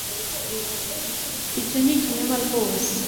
Icyo ni ikinyoma rwose